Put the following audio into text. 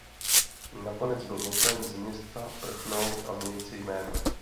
Nakonec byl nucen z města prchnout a změnit si jméno.